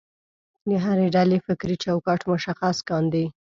د هرې ډلې فکري چوکاټ مشخص کاندي.